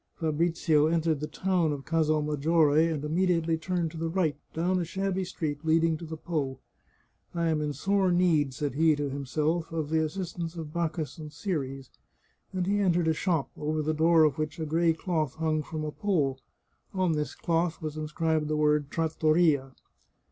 Fabrizio entered the town of Casal Maggiore and imme diately turned to the right, down a shabby street leading to the Po. " I am in sore need," said he to himself, " of the assistance of Bacchus and Ceres," and he entered a shop, over the door of which a gray cloth hung from a pole. On this cloth was inscribed the word Trattoria.